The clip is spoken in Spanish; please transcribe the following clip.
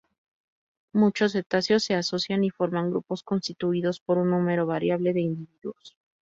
Muchos cetáceos se asocian y forman grupos constituidos por un número variable de individuos.